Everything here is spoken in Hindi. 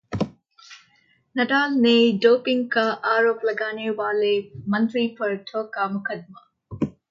नडाल ने डोपिंग का आरोप लगाने वाले मंत्री पर ठोका मुकदमा